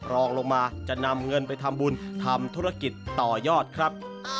รองลงมาจะนำเงินไปทำบุญทำธุรกิจต่อยอดครับ